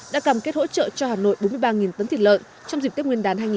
đã cam kết hỗ trợ cho hà nội bốn mươi ba tấn thịt lợn trong dịp tết nguyên đán hai nghìn hai mươi